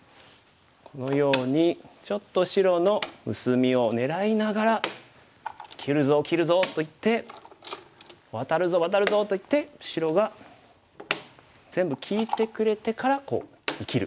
このようにちょっと白の薄みを狙いながら「切るぞ切るぞ」と言って「ワタるぞワタるぞ」と言って白が全部利いてくれてからこう生きる。